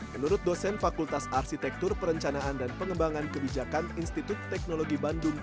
menurut dosen fakultas arsitektur perencanaan dan pengembangan kebijakan institut teknologi bandung